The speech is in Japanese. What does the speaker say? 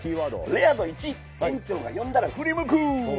レア度１園長が呼んだら振り向く。